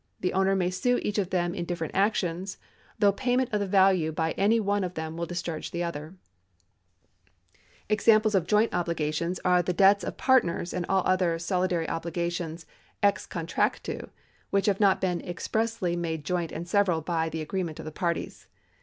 The owner may sue each of them in different actions ; though xiayment of the value by any one of them will discharge the others. ^ Examples of joint obligations are the debts of partners, and all other solidary obligations ex contractu which have not been expressly made joint and several by the agreement of the parties.